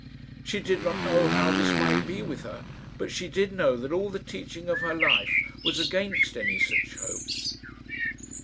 She did not know how this might be with her, but she did know that all the teaching of her life was against any such hope.